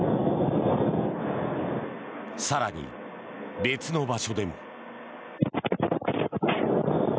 更に、別の場所でも。